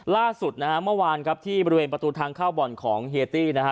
ล่าสุดนะฮะเมื่อวานครับที่บริเวณประตูทางเข้าบ่อนของเฮียตี้นะฮะ